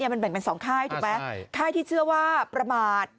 มันแบ่งเป็น๒ค่ายถูกไหมค่ายที่เชื่อว่าประมาท